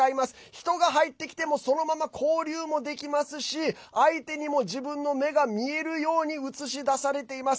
人が入ってきてもそのまま交流もできますし相手にも自分の目が見えるように映し出されています。